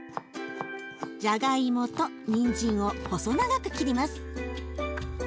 じゃがいもとにんじんを細長く切ります。